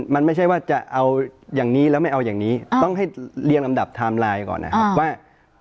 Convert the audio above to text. มันไม่ใช่ว่าจะเอาอย่างนี้แล้วไม่เอาอย่างนี้ต้องให้เรียงลำดับไทม์ไลน์ก่อนนะครับว่า